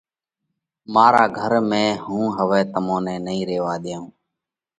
مارا گھر ۾ هُون هوَئہ تمون نئہ نئين ريوا ۮيو۔